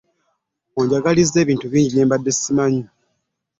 Onjiggiriza ebintu bingi byembade simanyi.